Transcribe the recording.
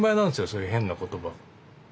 そういう変な言葉。